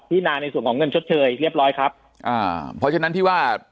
นาในส่วนของเงินชดเชยเรียบร้อยครับอ่าเพราะฉะนั้นที่ว่า